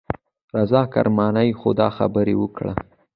رضا کرماني خو دا خبره وکړه.